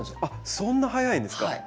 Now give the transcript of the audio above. あっそんな早いんですか？